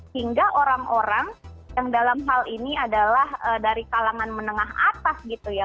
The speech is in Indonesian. hingga orang orang yang dalam hal ini adalah dari kalangan menengah atas gitu ya